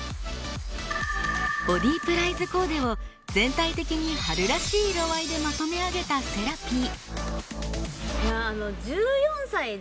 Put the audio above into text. ボディプライズコーデを全体的に春らしい色合いでまとめ上げたせらぴー。